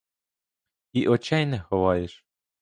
І очей не ховаєш?